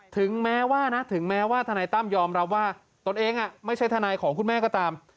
ถึงแม้ว่านะถึงแม้ว่าทนายตั้มยอมรับว่าตนเองไม่ใช่ทนายของคุณแม่ก็ตาม